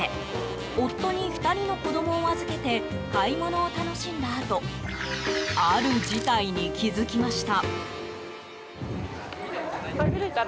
夫に２人の子供を預けて買い物を楽しんだあとある事態に気付きました。